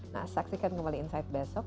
nah saksikan kembali insight besok